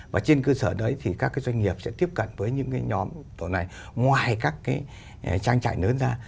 và trên cơ sở đấy thì các cái doanh nghiệp sẽ tiếp cận với những cái nhóm tổ này ngoài các cái trang trại lớn ra